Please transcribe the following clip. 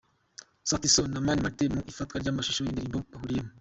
Sauti Sol na Mani Martin mu ifatwa ry'amashusho y'indirimbo bahuriyemo.